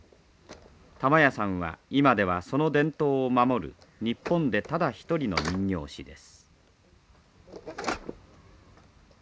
玉屋さんは今ではその伝統を守る日本でただ一人の人形師です。